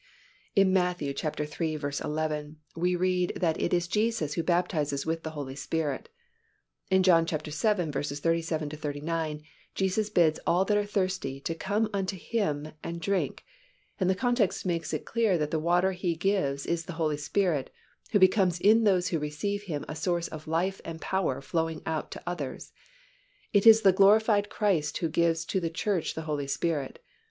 In Matt. iii. 11 we read that it is Jesus who baptizes with the Holy Spirit. In John vii. 37 39 Jesus bids all that are thirsty to come unto Him and drink, and the context makes it clear that the water that He gives is the Holy Spirit, who becomes in those who receive Him a source of life and power flowing out to others. It is the glorified Christ who gives to the Church the Holy Spirit.